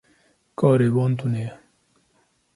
Karê wan tune ye.